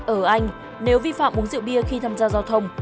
ở anh nếu vi phạm uống rượu bia khi tham gia giao thông